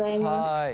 はい。